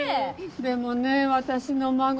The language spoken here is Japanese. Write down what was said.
でもね私の孫